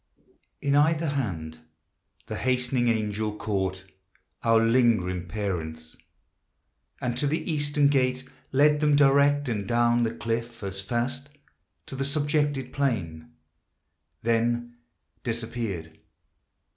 In either hand the hastening angel caught Our lingering parents, and to the eastern gate Led them direct, and down the cliff as fast To the subjected plain; then disappeared.